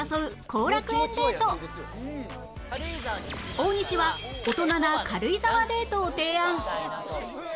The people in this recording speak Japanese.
大西は大人な軽井沢デートを提案